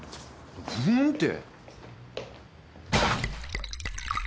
「ふーん」って。